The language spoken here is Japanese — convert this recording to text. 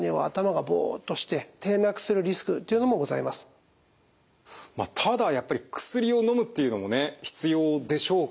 例えばただやっぱり薬をのむっていうのもね必要でしょうからね。